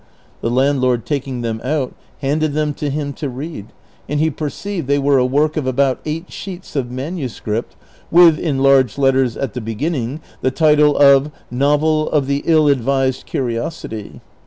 The land lord taking them out handed them to him to read, and he per ceived they were a work of about eight sheets of manuscript, with, in large letters at the beginning, the title of " Novel of the Ill advised Curiosity."